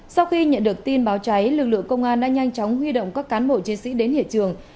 sau khi nhận được tin báo cháy lực lượng công an đã nhanh chóng huy động các cán bộ chiến sĩ đến hiện trường